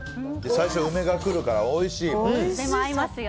最初、梅が来るからおいしい。